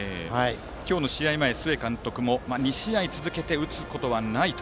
今日の試合前、須江監督も２試合続けて打つことはないと。